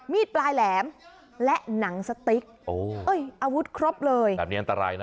มีดปลายแหลมและหนังสติ๊กโอ้เอ้ยอาวุธครบเลยแบบนี้อันตรายนะ